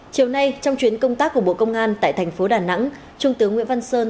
chiều nay trong chuyến công tác của bộ công an tại thành phố đà nẵng trung tướng nguyễn văn sơn